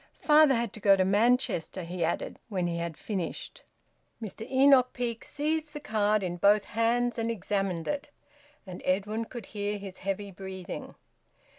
"Father had to go to Manchester," he added, when he had finished. Mr Enoch Peake seized the card in both hands, and examined it; and Edwin could hear his heavy breathing.